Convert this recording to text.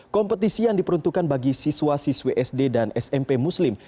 kompetisi yang diperuntukkan bagi siswa siswa sd dan smp muslim